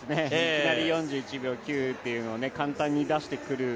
いきなり４１秒９というのを簡単に出してくる。